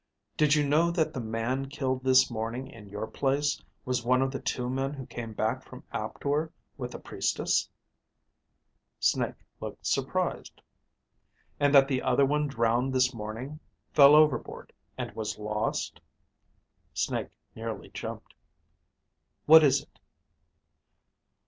"Did you know that the man killed this morning in your place was one of the two men who came back from Aptor with the Priestess?" Snake looked surprised. "And that the other one drowned this morning, fell overboard, and was lost?" Snake nearly jumped. "What is it?"